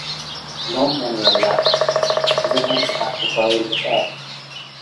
No men were left; women had to bury the dead.